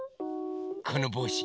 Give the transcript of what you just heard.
このぼうし。